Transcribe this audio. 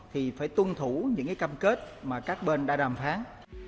thì phải tuân thủ những cam kết mà các bên đã đàm phán